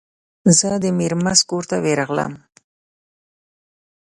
زه د میرمست کور ته ورغلم.